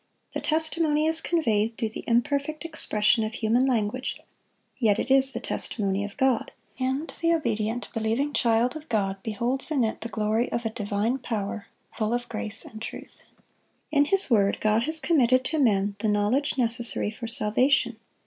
The testimony is conveyed through the imperfect expression of human language, yet it is the testimony of God; and the obedient, believing child of God beholds in it the glory of a divine power, full of grace and truth. In His word, God has committed to men the knowledge necessary for salvation.